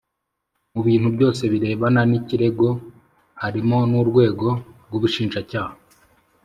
Mubintu byose birebana nikirego harimo nurwego rwubushinjacyaha